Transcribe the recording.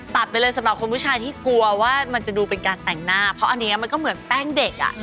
ไปเลยสำหรับคนผู้ชายที่กลัวว่ามันจะดูเป็นการแต่งหน้าเพราะอันนี้มันก็เหมือนแป้งเด็กอ่ะ